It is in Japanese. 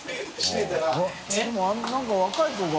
でも何か若い子が。